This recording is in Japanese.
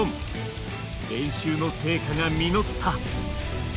練習の成果が実った。